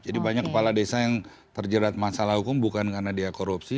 jadi banyak kepala desa yang terjerat masalah hukum bukan karena dia korupsi